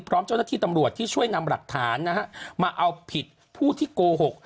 พร้อมเจ้าหน้าที่ตำรวจที่ช่วยนำหลักฐานนะฮะมาเอาผิดผู้ที่โกหก